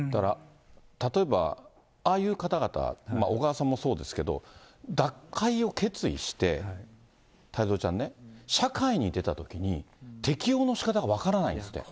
例えばああいう方々、小川さんもそうですけど、脱会を決意して、太蔵ちゃんね、社会に出たときに、適応のしかたが分からないんですって。